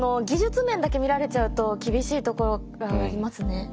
技術面だけ見られちゃうと厳しいところがありますね。